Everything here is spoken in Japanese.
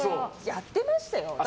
やってましたよ。